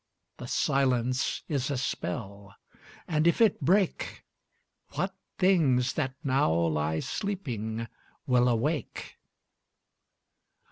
The silence is a spell, and if it break, What things, that now lie sleeping, will awake?